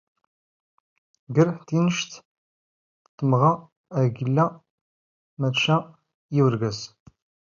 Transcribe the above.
ⴳⵔ ⵜⵉⵏⵛⵜ ⴷ ⵜⴰⵖⵎⴰ ⴰ ⴳ ⵉⵍⵍⴰ ⵎⴰⵜⵛⴰ ⵉ ⵓⵔⴳⴰⵣ